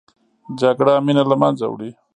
جګړه مینه له منځه وړي